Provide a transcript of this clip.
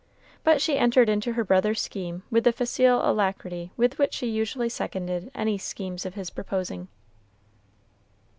But she entered into her brother's scheme with the facile alacrity with which she usually seconded any schemes of his proposing.